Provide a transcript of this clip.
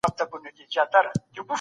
کوم تاريخ انسان له ملي ګټو سره جنګوي؟